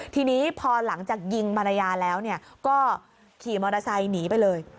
ทีนี้พอหลังจากยิงภรรยาแล้วก็ขี่มอเตอร์ไซค์หนีไปเลย